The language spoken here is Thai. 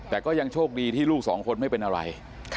แต่ก็ยังโชคดีที่ลูกสองคนไม่เป็นอะไร